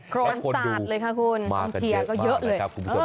โครนตรรรสาดค่ะคุณทียาก็เยอะเลย